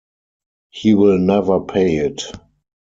He will never pay it!